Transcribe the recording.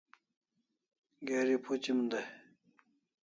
Geri phuchim dai